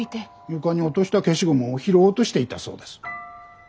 床に落とした消しゴムを拾おうとしていたそうです。